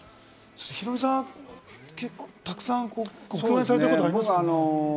ヒロミさん、結構たくさんご共演されたことありますよね？